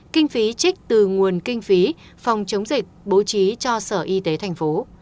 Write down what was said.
kinh phí trích từ nguồn kinh phí phòng chống dịch bố trí cho sở y tế tp